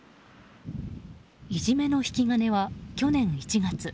いじめの引き金は去年１月。